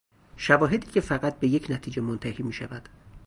شواهدی که فقط به یک نتیجه منتهی میشود.